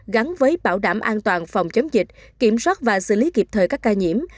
gắn với bảo đảm an toàn phòng chống dịch kiểm soát và xử lý kịp thời các ca nhiễm